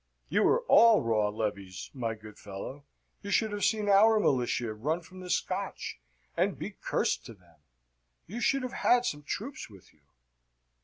"You were all raw levies, my good fellow. You should have seen our militia run from the Scotch, and be cursed to them. You should have had some troops with you."